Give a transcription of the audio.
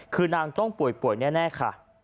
คือนางต้องป่วยแน่ค่ะ